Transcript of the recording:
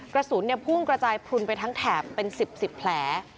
กระสุนพุ่งกระจายพลุนไปทั้งแถบเป็น๑๐๑๐แผล